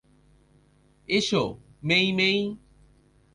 এসো, মেই-মেই।